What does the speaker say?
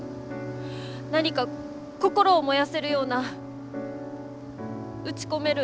何か心を燃やせるような打ち込める